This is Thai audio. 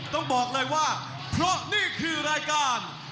ต้องบอกเลยว่าเพราะนี่คือรายการ